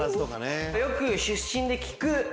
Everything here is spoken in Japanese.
よく出身で聞くとこ。